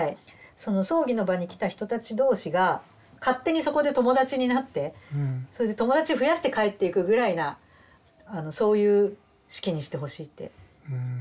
その葬儀の場に来た人たち同士が勝手にそこで友達になってそれで友達増やして帰っていくぐらいなそういう式にしてほしいって言われたんですよ。